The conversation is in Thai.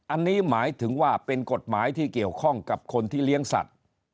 อันนี้หมายถึงว่าเป็นกฎหมายที่เกี่ยวข้องกับคนที่เลี้ยงสัตว์